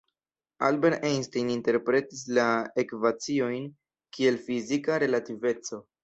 Albert Einstein interpretis la ekvaciojn kiel fizika relativeco.